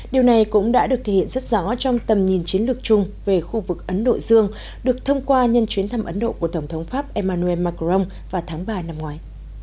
điều này cũng đã được thể hiện rất rõ trong tầm nhìn chiến lược chung về khu vực ấn độ dương được thông qua nhân chuyến thăm ấn độ của tổng thống pháp emmanuel macron vào tháng ba năm ngoái